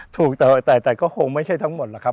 ถูกแต่ก็คงไม่ใช่ทั้งหมดหรอกครับ